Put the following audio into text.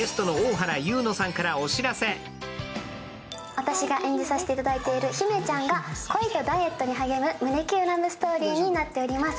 私が演じさせていただいている女の子が恋とダイエットに励む胸キュンラブストーリになっています。